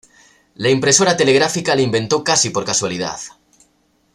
La impresora telegráfica la inventó casi por casualidad.